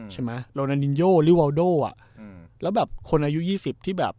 ใช่ไหมโรนานินโยหรือวาวโดอ่ะอืมแล้วแบบคนอายุยี่สิบที่แบบ